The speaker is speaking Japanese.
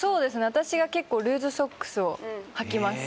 私は結構ルーズソックスをはきます。